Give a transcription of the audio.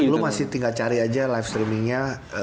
dulu masih tinggal cari aja live streamingnya